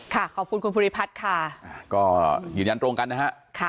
ขอบคุณคุณภูริพัฒน์ค่ะก็ยืนยันตรงกันนะฮะ